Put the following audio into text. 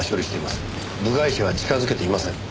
部外者は近づけていません。